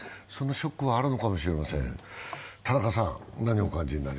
そのショックはあるのかもしれません。